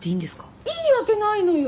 いいわけないのよ！